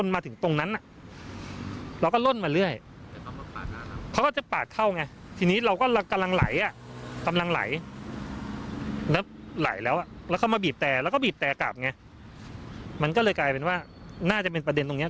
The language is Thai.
มันก็เลยกลายเป็นว่าน่าจะเป็นประเด็นตรงนี้